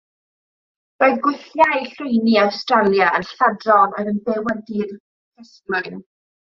Roedd Gwylliaid Llwyni Awstralia yn lladron oedd yn byw ar dir prysglwyn.